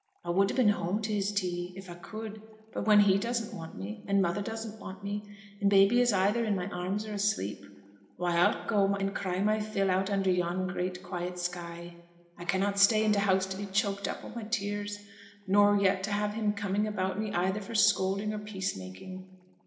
I would ha' been at home to his tea, if I could; but when he doesn't want me, and mother doesn't want me, and baby is either in my arms or asleep; why, I'll go any cry my fill out under yon great quiet sky. I cannot stay in t' house to be choked up wi' my tears, nor yet to have him coming about me either for scolding or peace making.'